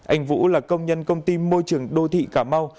anh vũ là công nhân công ty môi trường đô thị cà mau